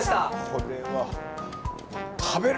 これは食べる！